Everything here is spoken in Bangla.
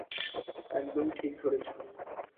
একদম ঠিক ধরেছ।